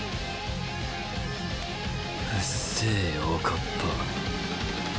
うっせえよおかっぱ。